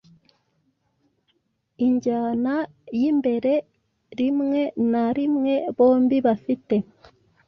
injyana yimbererimwe na rimwe Bombi bafite